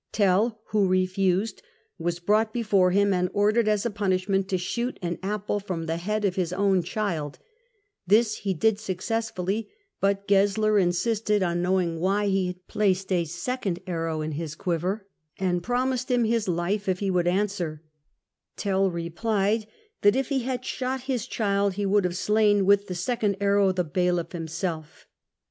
Tell, who refused, was brought before him and ordered as a punishment to shoot an apple from the head of his own child : this he did successfully, but Gesler insisted on knowing why he had placed a second arrow in his quiver and promised him his life if he would answer : Tell replied that if he had shot his child he would have slain with the second arrow the bailiff himself.